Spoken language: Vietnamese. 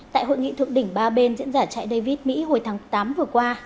tại hội nghị thượng đỉnh ba bên diễn ra chạy david mỹ hồi tháng tám vừa qua